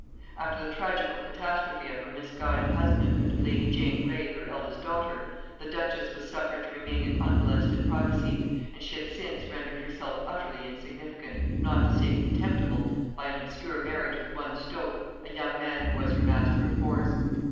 After the tragical catastrophe of her misguided husband and of lady Jane Grey her eldest daughter, the duchess was suffered to remain in unmolested privacy, and she had since rendered herself utterly insignificant, not to say contemptible, by an obscure marriage with one Stoke, a young man who was her master of the horse.